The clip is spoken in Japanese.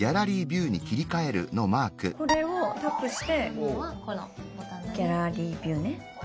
これをタップして「ギャラリービュー」ね。